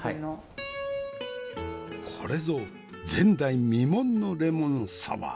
これぞ前代未聞のレモンサワー！